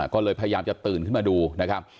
ก็เลยพยายามจะตื่นขึ้นมาดูนะครับ